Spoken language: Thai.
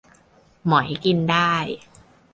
หมอยกินได้